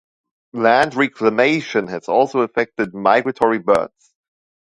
Land reclamation has also affected migratory birds.